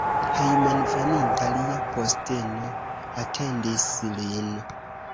Hejmenveninta lia posteno atendis lin.